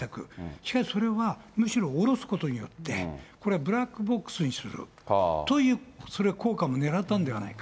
しかしそれはむしろ下ろすことによって、これはブラックボックスにするという、それは効果もねらったんではないか。